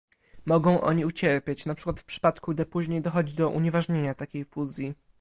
Mogą oni ucierpieć, na przykład w przypadku, gdy później dochodzi do unieważnienia takiej fuzji